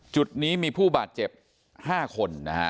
จุดนี้มีผู้บาดเจ็บ๕คนนะฮะ